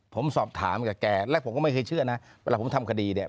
ผมสอบถามกับแกและผมก็ไม่เคยเชื่อนะเวลาผมทำคดีเนี่ย